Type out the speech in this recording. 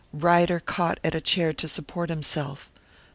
Ryder caught at a chair to support himself.